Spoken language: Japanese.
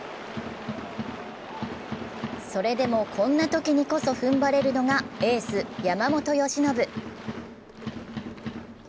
それでも、こんなときにこそ踏ん張れるのがエース・山本由伸。